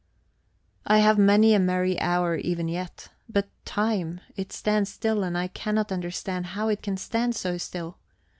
I have many a merry hour even yet. But time it stands still, and I cannot understand how it can stand so still.